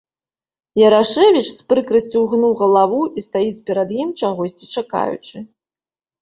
Ярашэвіч з прыкрасцю ўгнуў галаву і стаіць перад ім, чагосьці чакаючы.